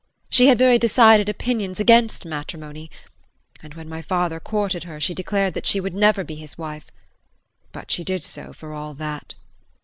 She had very decided opinions against matrimony, and when my father courted her she declared that she would never be his wife but she did so for all that.